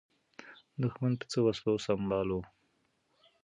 دښمن په څه وسلو سمبال و؟